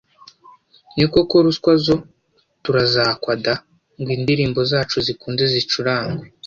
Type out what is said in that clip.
“ Ni koko ruswa zo turazakwa da ngo indirimbo zacu zikunde zicurangwe